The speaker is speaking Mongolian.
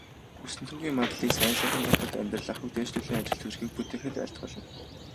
Гүсэнтүгийн мандлыг сайн сайхан байхад, амьдрал ахуйг дээшлүүлэн, ажил төрлийг бүтээхэд айлтгуулна.